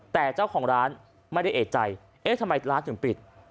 แต่เจ้าของร้านไม่ได้เอกใจเอ๊ะทำไมร้านถึงปิด